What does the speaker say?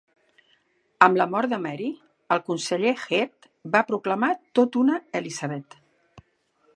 Amb la mort de Mary, el conseller Heath va proclamar tot d'una Elizabeth.